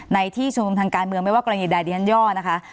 ในที่ชุมนุมทางการเมืองไม่ว่ากรณีใดดิฉันย่อนะคะ